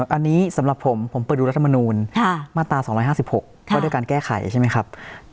อันนี้สำหรับผมผมเปิดดูรัฐมนูลมาตรา๒๕๖ว่าด้วยการแก้ไขใช่ไหมครับ